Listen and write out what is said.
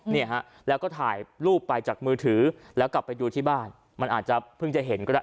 เนี่ยฮะแล้วก็ถ่ายรูปไปจากมือถือแล้วกลับไปดูที่บ้านมันอาจจะเพิ่งจะเห็นก็ได้